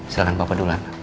silahkan bapak duluan